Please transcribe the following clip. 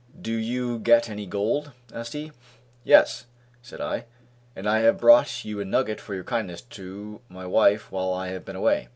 "Did you get any gold?" asked he. "Yes!" said I, "and I have brought you a nugget for your kindness to my wife while I have been away."